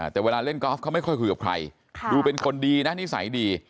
แต่เวลาเล่นกอล์ฟเขาไม่ค่อยคุยกับใครดูเป็นคนดีนะนิสัยดี